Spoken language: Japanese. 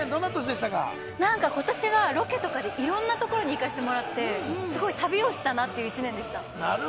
今年はロケとかでいろんな所に行かせてもらって旅をしたなという１年でした。